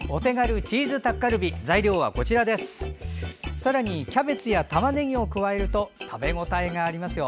さらにキャベツやたまねぎを加えると食べ応えがあります。